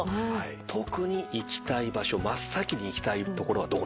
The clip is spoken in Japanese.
特に行きたい場所真っ先に行きたい所はどこですか？